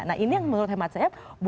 nah ini yang menurut hemat saya